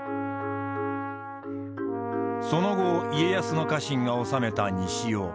その後家康の家臣が治めた西尾。